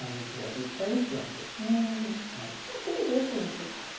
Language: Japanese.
じゃあ次どうしましょうか？